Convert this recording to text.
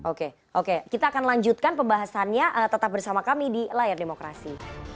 oke oke kita akan lanjutkan pembahasannya tetap bersama kami di layar demokrasi